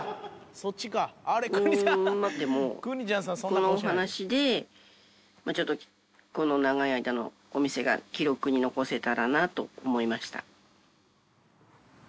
うーん、まあ、でも、このお話でちょっとこの長い間のお店が記録に残せたらなと思いました。